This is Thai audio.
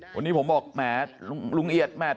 วันนี้ผมบอกแหมลุงเอียดแม่